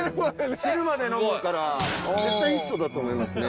汁まで飲むんやから絶対いい人だと思いますね。